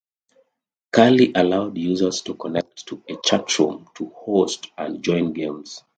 Kali allowed users to connect to a chat room to host and join games.